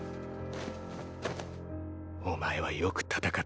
お前はよく戦った。